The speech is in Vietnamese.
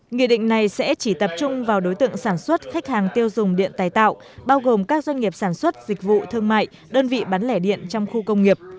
nghị định này sẽ chỉ tập trung vào đối tượng sản xuất khách hàng tiêu dùng điện tài tạo bao gồm các doanh nghiệp sản xuất dịch vụ thương mại đơn vị bán lẻ điện trong khu công nghiệp